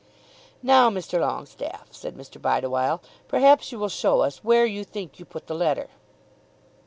"Now, Mr. Longestaffe," said Mr. Bideawhile, "perhaps you will show us where you think you put the letter."